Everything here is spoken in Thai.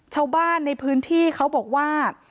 ชาวบ้านในพื้นที่เขาบอกว่า